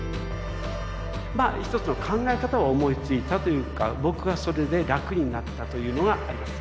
まあ一つの考え方を思いついたというか僕はそれで楽になったというのがあります。